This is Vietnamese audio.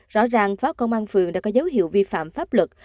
rõ ràng phó công an phường đã có dấu hiệu vi phạm pháp luật